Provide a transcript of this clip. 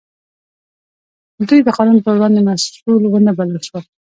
دوی د قانون په وړاندې مسوول ونه بلل شول.